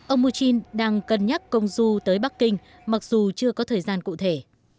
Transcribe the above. ông putin đang cân nhắc công du tới bắc kinh mặc dù chưa có thời gian cụ thể